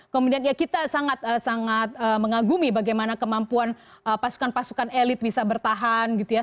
kemudian ya kita sangat sangat mengagumi bagaimana kemampuan pasukan pasukan elit bisa bertahan gitu ya